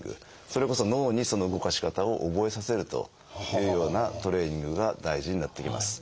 それこそ脳にその動かし方を覚えさせるというようなトレーニングが大事になってきます。